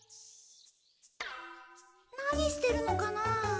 何してるのかな？